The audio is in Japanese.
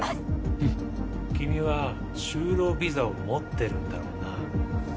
フンッ君は就労ビザを持ってるんだろうな？